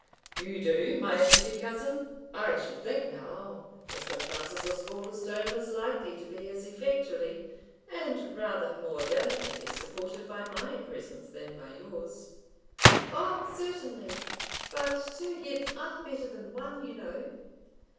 "You do, my pretty cousin? I should think, now, Mr. Francis Osbaldistone was likely to be as effectually, and rather more delicately, supported by my presence than by yours." "Oh, certainly; but two heads are better than one, you know."